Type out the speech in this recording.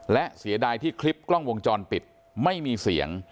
และเสียดายที่คลิปกล้องวงจรปิดไม่มีเสียง